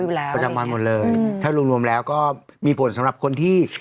ประจำวันหมดเลยถ้ารวมรวมแล้วก็มีผลสำหรับคนที่